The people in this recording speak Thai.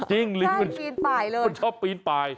จริงลิงมันชอบปีนปลาย